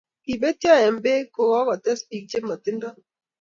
Kopetwo eng bek ko kokotes bik che matindo.